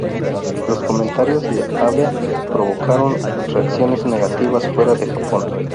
Los comentarios de Abe provocaron reacciones negativas fuera de Japón.